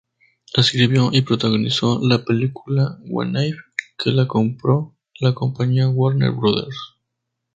Escribió y protagonizó la película "Wannabe", que la compró la compañía Warner Brothers.